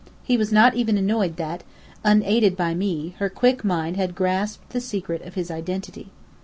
He was not even annoyed that, unaided by me, her quick mind had grasped the secret of his identity.